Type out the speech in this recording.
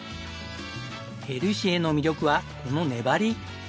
ヘルシエの魅力はこの粘り。